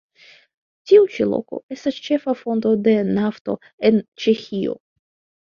Tiu ĉi loko estas ĉefa fonto de nafto en Ĉeĥio.